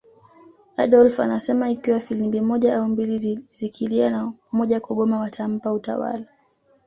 Adolf anasema ikiwa filimbi moja au mbili zikilia na moja kugoma watampa utawala